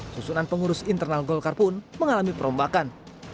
susunan pengurus internal golkar pun mengalami perombakan